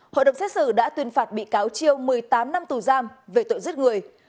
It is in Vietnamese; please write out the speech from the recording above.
hội đồng xét xử đã tuyên phạt bị cáo triều một mươi tám năm tù giam về tội giết người